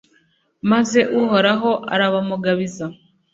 maze uhoraho arabamugabiza